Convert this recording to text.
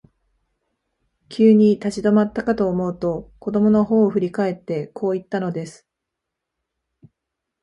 急に立ち止まったかと思うと、子供のほうを振り返って、こう言ったのです。